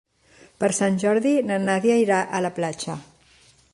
Per Sant Jordi na Nàdia irà a la platja.